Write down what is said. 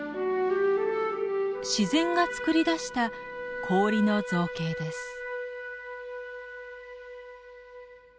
自然がつくり出した氷の造形です。